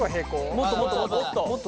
もっともっともっともっと。